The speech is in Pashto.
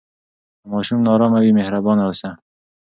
که ماشوم نارامه وي، مهربان اوسه.